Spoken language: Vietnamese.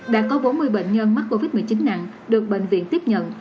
đã có bốn mươi bệnh nhân mắc covid một mươi chín nặng được bệnh viện tiếp nhận